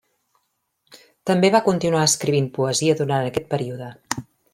També va continuar escrivint poesia durant aquest període.